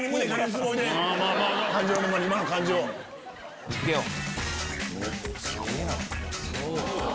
すごいな。